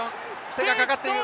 手がかかっている。